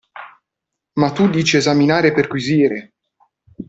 Ma tu dici esaminare e perquisire!